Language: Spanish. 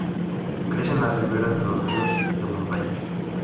Crece en las riveras de los ríos de montaña.